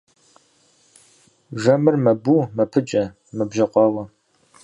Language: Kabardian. Жэмыр мэбу, мэпыджэ, мэбжьэкъуауэ.